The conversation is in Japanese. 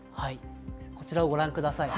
こちらをご覧ください。